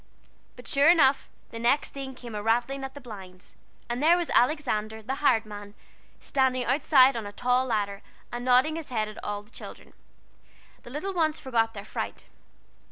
And sure enough, the next thing came a rattling at the blinds, and there was Alexander, the hired man, standing outside on a tall ladder and nodding his head at the children. The little ones forgot their fright.